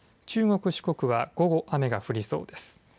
中国、四国は午後、雨が降りそうです。